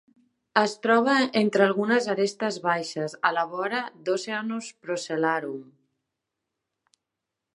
Es troba entre algunes arestes baixes a la vora d'Oceanus Procellarum.